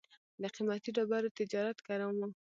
د قیمتي ډبرو تجارت ګرم و